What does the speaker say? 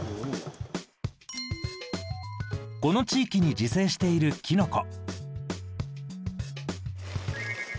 この地域に自生しているキノコ。